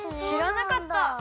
しらなかった。